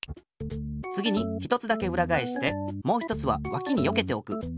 つぎに１つだけうらがえしてもう１つはわきによけておく。